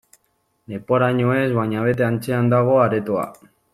Leporaino ez, baina bete antzean dago aretoa.